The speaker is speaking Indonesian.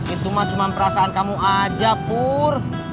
itu mah cuma perasaan kamu aja pur